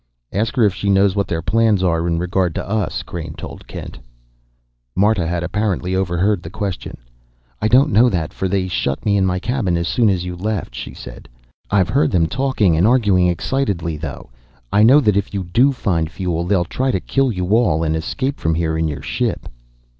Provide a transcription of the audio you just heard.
"Ask her if she knows what their plans are in regard to us," Crain told Kent. Marta had apparently overheard the question. "I don't know that, for they shut me in my cabin as soon as you left," she said. "I've heard them talking and arguing excitedly, though. I know that if you do find fuel, they'll try to kill you all and escape from here in your ship."